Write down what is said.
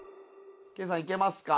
けいさんいけますか？